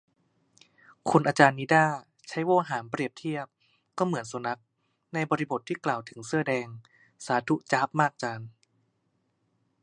คุณอาจารย์นิด้า ใช้โวหารเปรียบเทียบ "ก็เหมือนสุนัข" ในบริบทที่กล่าวถึงเสื้อแดง สาธุ จ๊าบมากจารย์